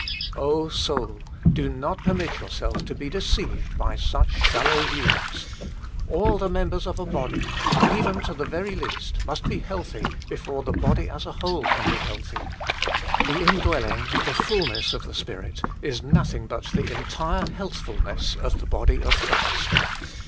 soul, do not permit yourself to be deceived by such shallow views. All the members of a body, even to the very least, must be healthy before the body as a whole can be healthy. The indwelling, the fulness of the Spirit, is nothing but the entire healthfulness of the body of Christ.